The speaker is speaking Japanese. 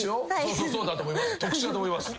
そうだと思います。